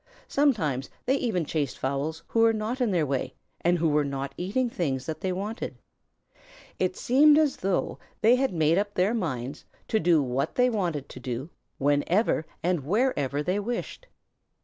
Sometimes they even chased fowls who were not in their way and who were not eating things that they wanted. It seemed as though they had simply made up their minds to do what they wanted to do, whenever and wherever they wished.